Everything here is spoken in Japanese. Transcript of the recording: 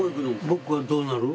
僕はどうなる？